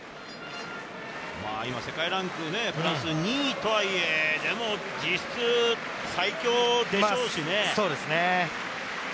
世界ランク、フランス２位とはいえ、でも実質、最強でしょうしね。